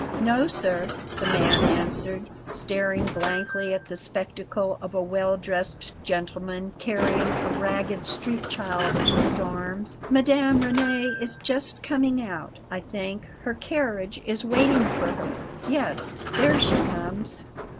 "No, sir," the man answered, staring blankly at the spectacle of a well dressed gentleman carrying a ragged street child in his arms, "Mme. Reni is just coming out, I think; her carriage is waiting for her. Yes; there she comes."